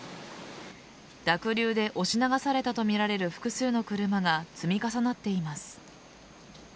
濁流で押し流されたとみられる複数の車が積み重なっています。